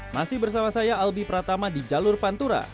masih bersama saya albih pertama di jalur pantura